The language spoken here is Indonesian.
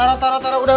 taruh taruh taruh